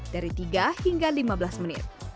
dari tiga hingga lima belas menit